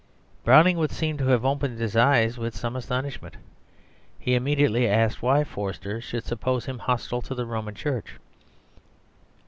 Browning would seem to have opened his eyes with some astonishment. He immediately asked why Forster should suppose him hostile to the Roman Church.